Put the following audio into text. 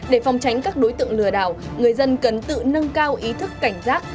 để phòng tránh các đối tượng lừa đảo người dân cần tự nâng cao ý thức cảnh giác